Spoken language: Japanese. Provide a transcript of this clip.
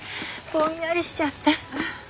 ぼんやりしちゃって。